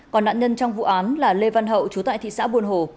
còn nạn nhân trong vụ án là lê văn hậu chú tại thị xã buôn hồ